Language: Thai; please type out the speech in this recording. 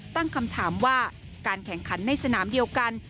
ตั้งคำถามว่าการแข่งขันในสนามเดียวกัน